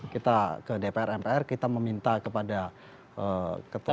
kita ke dpr mpr kita meminta kepada ketua dpr